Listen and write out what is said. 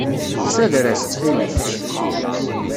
Ssader-as, ttxil-k.